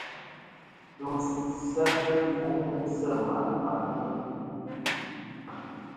Ndu seftɨ fu mu sɨ mà mà nyu.